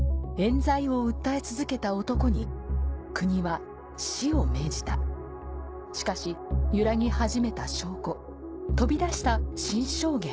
冤罪を訴え続けた男に国は死を命じたしかし揺らぎ始めた証拠飛び出した新証言